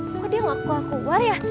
wah dia gak keluar keluar ya